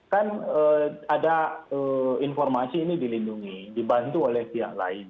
kan ada informasi ini dilindungi dibantu oleh pihak lain